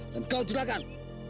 dan kau juga kan